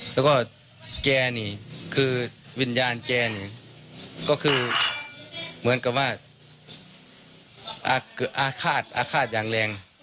แล้วก็แกนี่คือวิญญาณแกนี่ก็คือเหมือนกับว่าอาฆาตอาฆาตอย่างแรง